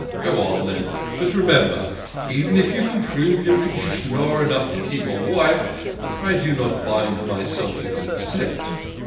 Go on, then. But remember, even if you can prove you can schnorr enough to keep a wife, I do not bind myself to consent."